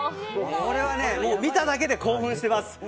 これは見ただけで興奮してます。